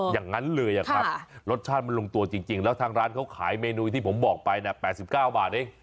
อย่างนั้นเลยครับรสชาติมันลงตัวจริงแล้วทางร้านเขาขายเมนูที่ผมบอกไป๘๙บาทเอง